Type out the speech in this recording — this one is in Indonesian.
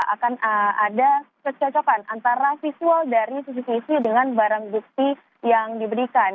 akan ada kecocokan antara visual dari cctv dengan barang bukti yang diberikan